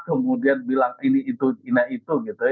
kemudian bilang ini itu ini itu gitu ya